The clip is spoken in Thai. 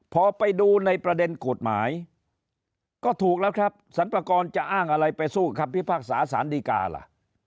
พอไปดูในประเด็นกฎหมายก็ถูกแล้วครับสรรพากรจะอ้างอะไรไปสู้คำพิพากษาสารดีกาล่ะ